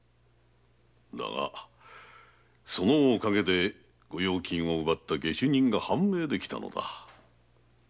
だがそのおかげで御用金を奪った下手人が判明できたのだ。